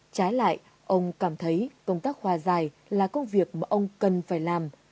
trái lại ông cảm thấy công tác hoa dài là công việc mà ông cần phải làm